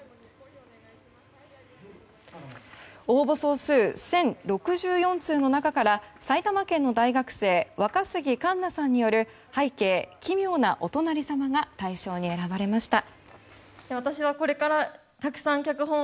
応募総数１０６４通の中から埼玉県の大学生若杉栞南さんによる「拝啓、奇妙なお隣さま」が大賞に選ばれました。